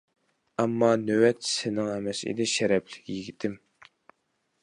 ئەمما نۆۋەت سېنىڭ ئەمەس ئىدى شەرەپلىك يىگىتىم!